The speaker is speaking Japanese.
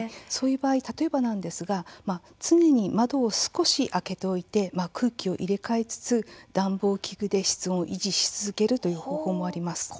そういう場合、例えば常に窓を少し開けておいて空気を入れ替えつつ暖房器具で室温を維持し続けるという方法もあります。